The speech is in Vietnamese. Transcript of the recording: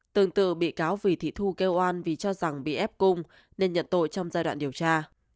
tương tự bị cáo vì thị thu kêu oan vì cho rằng bị ép cung nên nhận tội trong giai đoạn điều tra